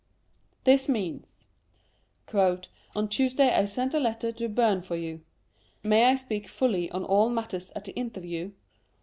This means —" On Tuesday I sent a letter to Byrne for you. May I speak fully on all matters at the interview